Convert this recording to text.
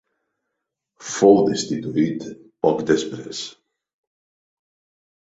Fou destituït poc després.